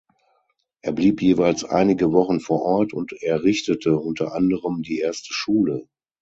Er blieb jeweils einige Wochen vor Ort und errichtete unter anderem die erste Schule.